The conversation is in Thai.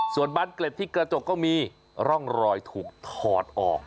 ส่วนบานเกล็ดที่กระจกก็มีร่องรอยถูกถอดออก